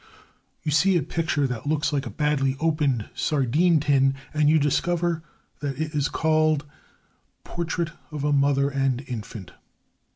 You see a picture that looks like a badly opened sardine tin, and you discover that it is called "Portrait of Mother and Infant."